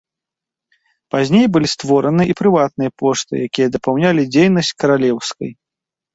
Пазней былі створаны і прыватныя пошты, якія дапаўнялі дзейнасць каралеўскай.